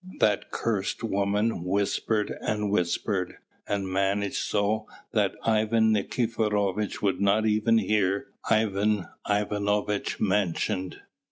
That cursed woman whispered and whispered, and managed so that Ivan Nikiforovitch would not even hear Ivan Ivanovitch mentioned.